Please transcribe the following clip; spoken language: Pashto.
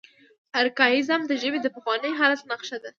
ارکائیزم د ژبې د پخواني حالت نخښه ده.